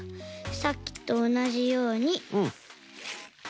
さっきとおなじようにぐるっ。